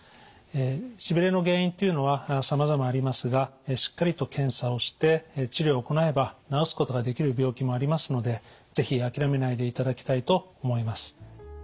しびれの原因というのはさまざまありますがしっかりと検査をして治療を行えば治すことができる病気もありますので是非諦めないでいただきたいと思います。